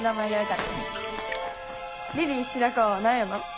リリー白川は何やの？